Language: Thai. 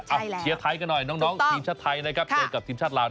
ใช่แล้วถ้าเชียวไทยก็หน่อยน้องทีมชาติไทยนะครับเดี๋ยวกับทีมชาติลาว